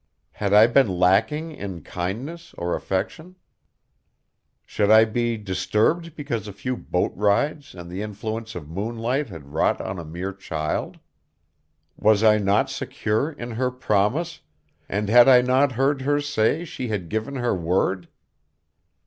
Had I been lacking in kindness or affection? Should I be disturbed because a few boat rides and the influence of moonlight had wrought on a mere child? Was I not secure in her promise, and had I not heard her say she had given her word?